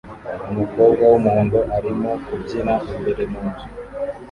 Umukobwa wumuhondo arimo kubyina imbere munzu